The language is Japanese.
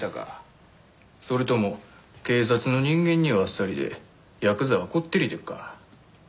それとも警察の人間にはあっさりでヤクザはこってりでっか？